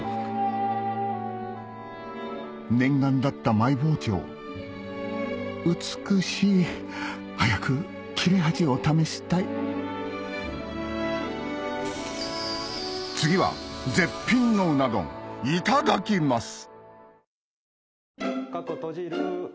念願だったマイ包丁美しい早く切れ味を試したい次は絶品のうな丼いただきます